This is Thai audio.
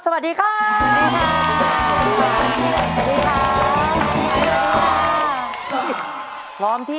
สร้าง